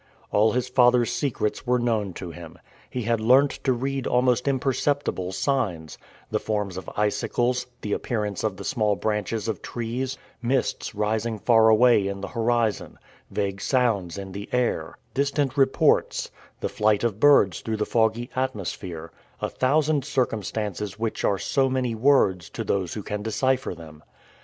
All his father's secrets were known to him. He had learnt to read almost imperceptible signs the forms of icicles, the appearance of the small branches of trees, mists rising far away in the horizon, vague sounds in the air, distant reports, the flight of birds through the foggy atmosphere, a thousand circumstances which are so many words to those who can decipher them.